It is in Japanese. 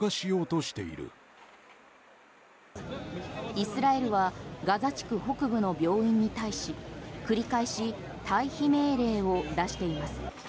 イスラエルはガザ地区北部の病院に対し繰り返し退避命令を出しています。